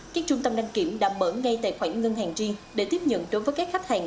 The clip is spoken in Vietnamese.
các trung tâm đăng kiểm đã mở ngay tài khoản ngân hàng riêng để tiếp nhận đối với các khách hàng